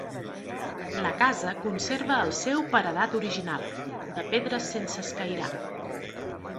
La casa conserva el seu paredat original, de pedres sense escairar.